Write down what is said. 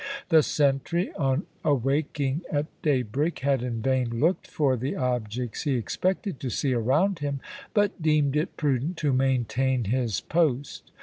The sentry, on awaking at daybreak, had in vain looked for the objects he expected to see around him, but deemed it prudent to maintain his post.